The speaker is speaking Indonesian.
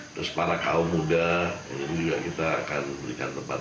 terus para kaum muda baru juga kita akan berikan tempat